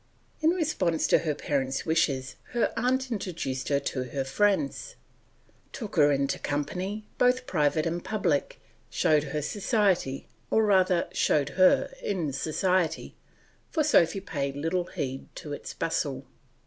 In response to her parents' wishes her aunt introduced her to her friends, took her into company, both private and public, showed her society, or rather showed her in society, for Sophy paid little heed to its bustle.